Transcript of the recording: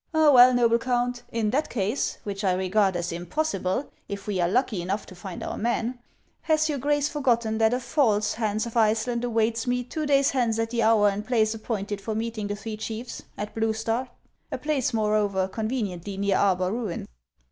" Well, noble Count, in that case, which I regard as impossible if we are lucky enough to find our man, has your Grace forgotten that a false Hans of Iceland awaits me two days hence at the hour and place appointed for meeting the three chiefs, at IUue Star, a place, moreover, conveniently near Arbar ruin